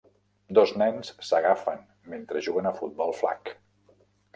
Dos nens s'agafen mentre juguen a futbol flag.